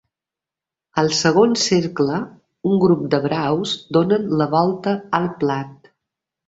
Al segon cercle, un grup de braus donen la volta al plat.